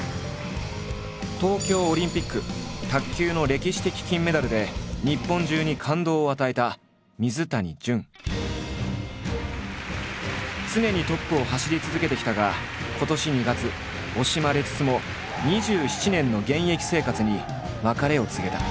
東京オリンピック卓球の歴史的金メダルで日本中に感動を与えた常にトップを走り続けてきたが今年２月惜しまれつつも２７年の現役生活に別れを告げた。